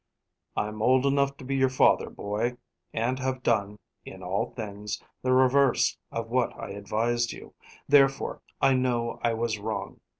"I'm old enough to be your father, boy, and have done, in all things, the reverse of what I advised you. Therefore, I know I was wrong.